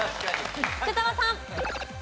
福澤さん。